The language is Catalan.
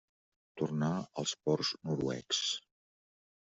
Tornar als ports noruecs.